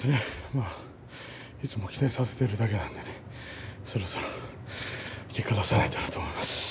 いつも期待させているだけなんでね、そろそろ結果を出さないとと思います。